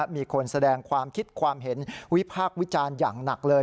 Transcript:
มีคนแสดงความคิดความเห็นวิพากษ์วิจารณ์อย่างหนักเลย